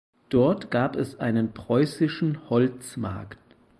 Dort gab es einen "preußischen Holzmarkt".